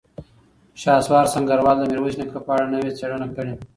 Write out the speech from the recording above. شهسوار سنګروال د میرویس نیکه په اړه نوې څېړنه کړې.